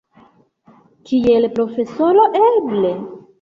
Kiel profesoro, eble?